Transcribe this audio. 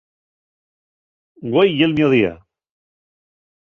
Güei ye'l mio día.